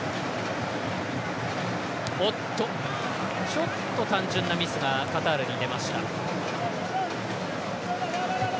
ちょっと単純なミスがカタールに出ました。